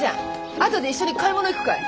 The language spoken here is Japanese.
あとで一緒に買い物行くかい？